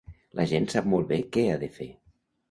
La gent sap molt bé què ha de fer.